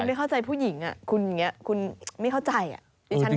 ไม่เข้าใจผู้หญิงอ่ะคุณอย่างนี้คุณไม่เข้าใจอ่ะ